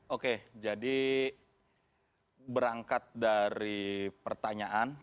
oke jadi berangkat dari pertanyaan